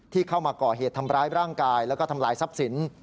เข้ามาก่อเหตุทำร้ายร่างกายแล้วก็ทำลายทรัพย์สิน